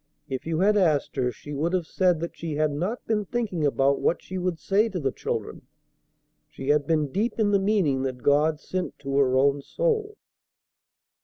If you had asked her, she would have said that she had not been thinking about what she would say to the children; she had been deep in the meaning that God sent to her own soul.